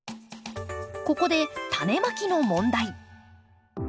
ここで種まきの問題。